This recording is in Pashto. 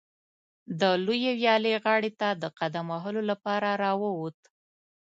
د لویې ویالې غاړې ته د قدم وهلو لپاره راووت.